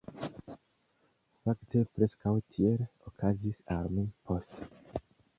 Fakte, preskaŭ tiel okazis al mi poste.